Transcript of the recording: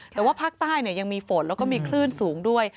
แต่ว่าภาคใต้ยังมีฝนแล้วก็มีคลื่นสูงด้วย